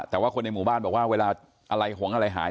แต่ว่าคนในหมู่บ้านบอกว่าเวลาอะไรหงอะไรหาย